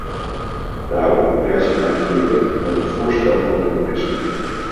Daarom prijs ik mij gelukkig met het voorstel van de commissie.